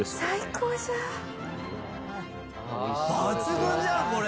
抜群じゃんこれ。